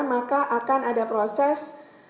maka akan ada proses